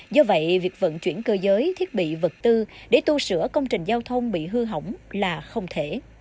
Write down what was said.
do vậy việc vận chuyển cơ giới thiết bị vật tư để tu sửa công trình giao thông bị hư hỏng là không thể